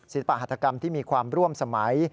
หัตถกรรมที่มีความร่วมสมัย